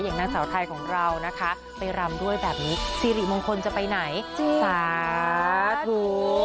อย่างนักสาวไทยของเรานะคะไปรำด้วยแบบนี้ซีริมงคลจะไปไหนจริงสาธุเออ